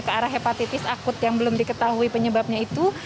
ke arah hepatitis akut yang belum diketahui penyebabnya itu